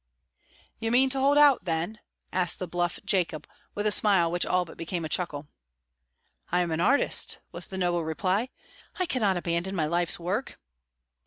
"You mean to hold out, then?" asked the bluff Jacob, with a smile which all but became a chuckle. "I am an artist," was the noble reply. "I cannot abandon my life's work."